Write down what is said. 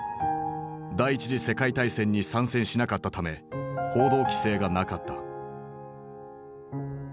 第一次世界大戦に参戦しなかったため報道規制がなかった。